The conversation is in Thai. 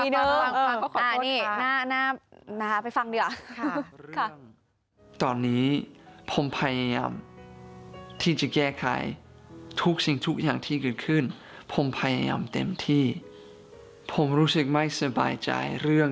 เรากำลังเรียบร้อยแล้วแต่ว่าจะบอกว่าเมื่อวานี้เขามาอัดคลิปขอโทษอีกทีหนึ่ง